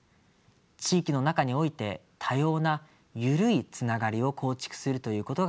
地域の中において多様な緩いつながりを構築するということが重要です。